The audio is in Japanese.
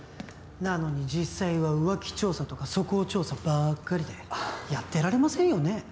なのに実際は浮気調査とか素行調査ばっかりでやってられませんよね